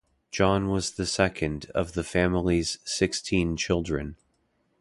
John was the second of the family's sixteen children.